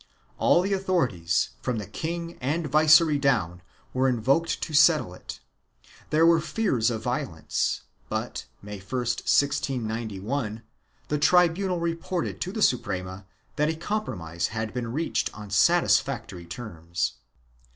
All the authorities, from the king and viceroy down, were invoked to settle it; there were fears of violence but, May 1, 1691, the tribunal reported to the Suprema that a compromise had been reached on satisfactory terms.